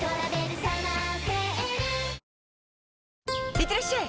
いってらっしゃい！